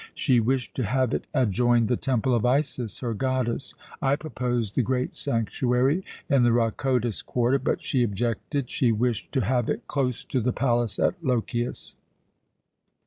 She wished to have it adjoin the Temple of Isis, her goddess I proposed the great sanctuary in the Rhakotis quarter, but she objected she wished to have it close to the palace at Lochias.